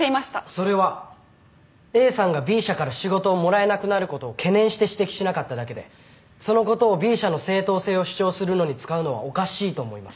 それはＡさんがＢ社から仕事をもらえなくなることを懸念して指摘しなかっただけでそのことをＢ社の正当性を主張するのに使うのはおかしいと思います。